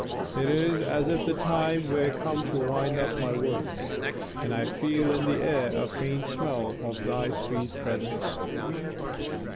It is as if the time were come to wind up my work, and I feel in the air a faint smell of thy sweet presence.